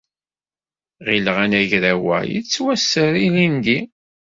Ɣileɣ anagraw-a yettwaser ilindi.